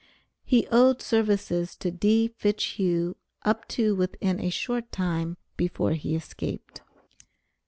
He owed services to D. Fitchhugh up to within a short time before he escaped.